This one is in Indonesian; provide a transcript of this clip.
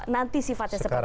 nanti sifatnya seperti apa